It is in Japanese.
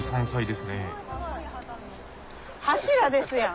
柱ですやん。